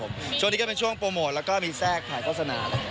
ครับผมช่วงนี้ก็เป็นช่วงโพมโมสแล้วก็มีแซ่งฟังข้อสนา